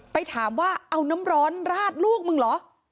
ไปถามว่าเอาน้ำร้อนราดลูกมึงเหรอ